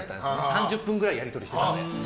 ３０分くらいやり取りしてて。